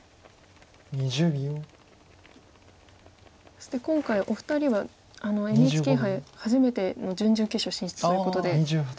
そして今回お二人はＮＨＫ杯初めての準々決勝進出ということで。